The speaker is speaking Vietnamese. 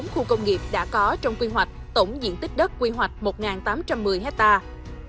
bốn khu công nghiệp đã có trong quy hoạch tổng diện tích đất quy hoạch một tám trăm một mươi hectare